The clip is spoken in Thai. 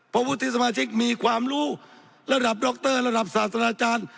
เพราะวุฒิสมาชิกมีความรู้ระดับดรระดับสาธารณาจารย์